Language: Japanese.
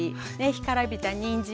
干からびたにんじん